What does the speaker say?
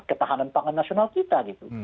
ketahanan pangan nasional kita gitu